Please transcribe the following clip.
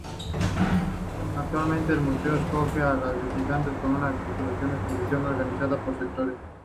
Actualmente el Museo acoge a los visitantes con una articulada exposición organizada por sectores.